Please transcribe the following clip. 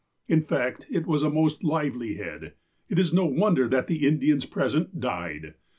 In fact, it was a most lively head, and it is no wonder that the Indians present ''died."